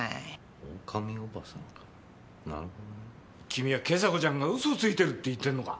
君は今朝子ちゃんが嘘をついてるって言ってるのか。